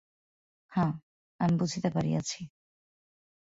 হাঁ, আমি বুঝিতে পারিয়াছি।